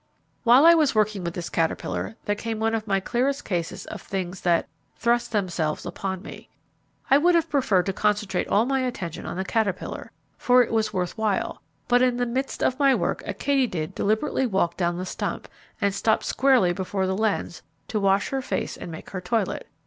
While I was working with this caterpillar, there came one of my clearest cases of things that 'thrust themselves upon me.' I would have preferred to concentrate all my attention on the caterpillar, for it was worth while; but in the midst of my work a katydid deliberately walked down the stump, and stopped squarely before the lens to wash her face and make her toilet.